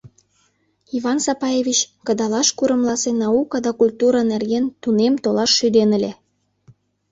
Иван Сапаевич кыдалаш курымласе наука да культура нерген тунем толаш шӱден ыле.